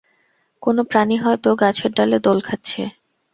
কোন প্রাণী হয়তো গাছের ডালে দোল খাচ্ছে।